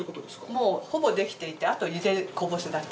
もうほぼできていてあとゆでこぼすだけ。